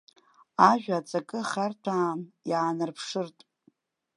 Ажәа аҵакы харҭәаан иаанарԥшыртә.